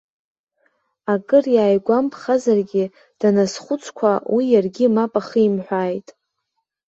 Акыр иааигәамԥхазаргьы, даназхәыцқәа, уи иаргьы мап ахимҳәааит.